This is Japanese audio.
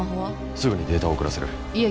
すぐにデータを送らせるいえ